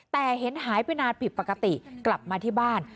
แต่เห็นหายไปนานผิดปกติกลับมาที่บ้าน